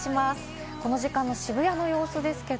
この時間の渋谷の様子です。